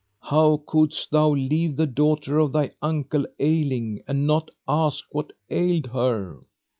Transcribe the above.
How couldst thou leave the daughter of thy uncle ailing and not ask what ailed her?"